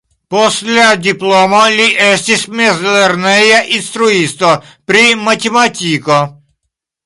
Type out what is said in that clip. Post la diplomo li estis mezlerneja instruisto pri matematiko.